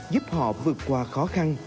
giúp họ vượt qua khó khăn